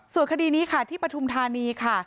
ส่วนคดีนี้ค่ะที่ปฐุมธานีค่ะ